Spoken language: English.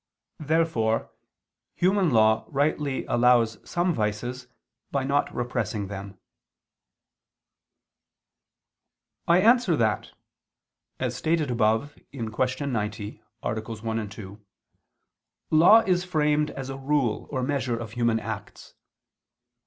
Therefore human law rightly allows some vices, by not repressing them. I answer that, As stated above (Q. 90, AA. 1, 2), law is framed as a rule or measure of human acts.